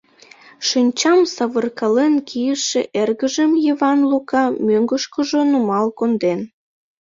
Шинчам савыркален кийыше эргыжым Йыван Лука мӧҥгышкыжӧ нумал конден.